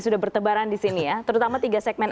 sudah bertebaran disini ya terutama tiga segmen